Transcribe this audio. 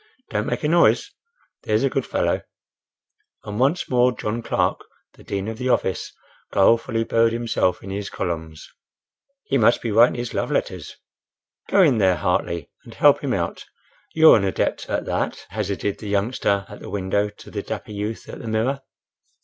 "Don't make a noise, there's a good fellow;" and once more John Clark, the dean of the office, guilefully buried himself in his columns. "He must be writing his love letters. Go in there, Hartley, and help him out. You're an adept at that," hazarded the youngster at the window to the dapper youth at the mirror.